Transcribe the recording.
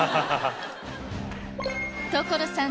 所さん